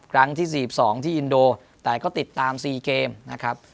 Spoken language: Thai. ครั้งที่๔๒ที่อินโดแต่ก็ติดตาม๔เกมนะครับ